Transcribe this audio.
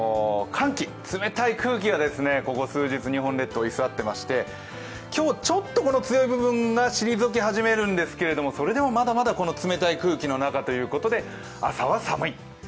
寒気、冷たい空気がここ数日、日本列島に居座っていまして今日、ちょっと強い部分が退き始めるんですけれども、それでもまだまだこの冷たい空気の中ということで朝は寒い。